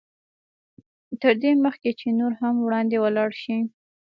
تر دې مخکې چې نور هم وړاندې ولاړ شئ.